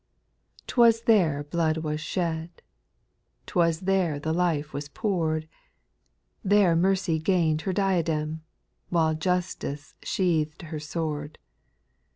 2. 'T was there blood was shed, 'T was there the life was pour'd, There mercy gained her diadem, While justice sheath'd her sword.